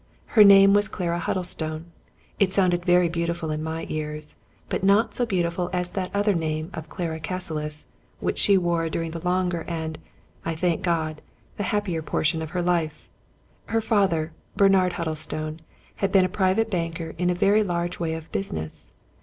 Her name was Clara Huddlestone: it sounded very beautiful in my ears; but not so beautiful as that other name of Clara Cassilis, which she wore during the longer and, I thank God, the happier portion of her life. Her father, Bernard Huddlestone, had been a private banker in a very large way of business.